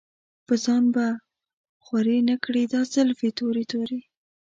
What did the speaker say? پۀ ځان به خوَرې نۀ کړې دا زلفې تورې تورې